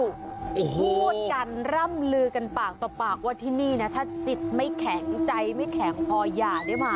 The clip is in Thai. พูดกันร่ำลือกันปากต่อปากว่าที่นี่นะถ้าจิตไม่แข็งใจไม่แข็งพอหย่าได้มา